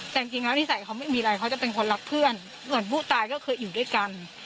แต่จริงแล้วนิสัยเขาไม่มีอะไรเขาจะเป็นคนรักเพื่อนเหมือนผู้ตายก็เคยอยู่ด้วยกัน